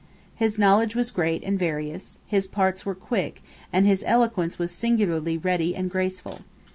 His knowledge was great and various: his parts were quick; and his eloquence was singularly ready and graceful.